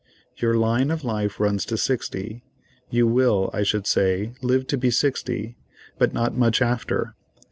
Your line of life runs to 60; you will, I should say, live to be 60, but not much after.